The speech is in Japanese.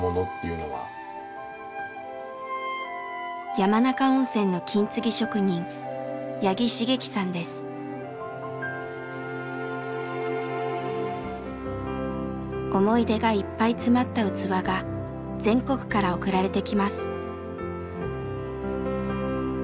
山中温泉の思い出がいっぱい詰まった器が全国から送られてきます。